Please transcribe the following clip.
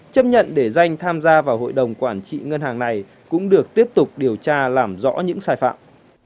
chấp nhận để danh tham gia vào hội đồng quản trị ngân hàng này cũng được tiếp tục điều tra làm rõ những sai phạm